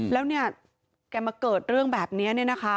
แล้วแกมาเกิดเรื่องแบบนี้